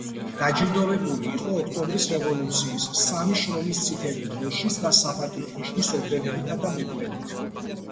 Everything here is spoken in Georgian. დაჯილდოვებული იყო ოქტომბრის რევოლუციის, სამი შრომის წითელი დროშის და „საპატიო ნიშნის“ ორდენებითა და მედლებით.